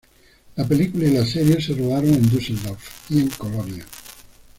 La película y la serie se rodaron en Düsseldorf y en Colonia.